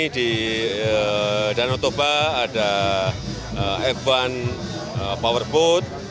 di danau toba ada f satu powerboat